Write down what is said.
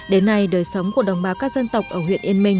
đến nay đời sống của đồng bào các dân tộc ở huyện yên minh